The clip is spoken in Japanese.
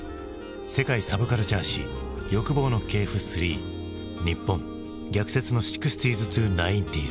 「世界サブカルチャー史欲望の系譜３日本逆説の６０−９０ｓ」。